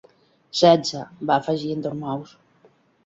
"Setze", va afegir en Dormouse.